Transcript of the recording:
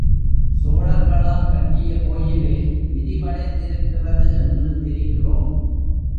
சோழர்களால் கட்டிய கோயிலே விரிவடைந்திருக்கிறது என்று தெரிகிறோம்.